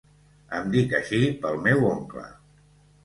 Em dic així pel meu oncle.